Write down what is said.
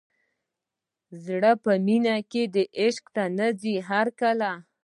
زړه په مینه کې عاشق نه ځي هر کله.